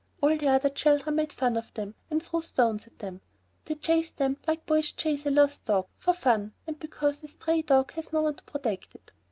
All the other children made fun of them and threw stones at them. They chased them like boys chase a lost dog, for fun, and because a stray dog has no one to protect it.